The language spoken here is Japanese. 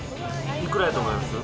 いくらやと思います？